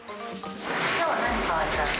きょうは何を買われたんです